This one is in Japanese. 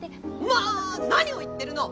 まあ何を言ってるの！